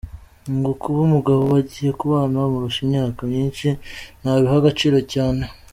Ngo kuba umugabo bagiye kubana amurusha imyaka myinshi ntabiha agaciro cyane.